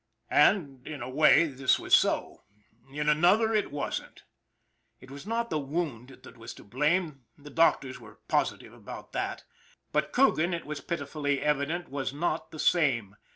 And in a way this was so ; in another it wasn't. It was not the wound that was to blame, the doctors were positive about that; but Coogan, it was pitifully evi dent, was not the same.